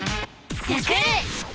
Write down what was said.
「スクる！」。